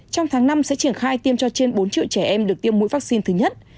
trong tháng năm sẽ triển khai tiêm cho trên bốn triệu trẻ em được tiêm mũi vaccine thứ nhất